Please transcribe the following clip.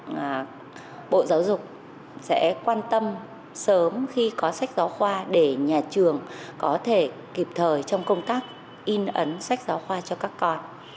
các bộ giáo dục sẽ quan tâm sớm khi có sách giáo khoa để nhà trường có thể kịp thời trong công tác in ấn sách giáo khoa cho các con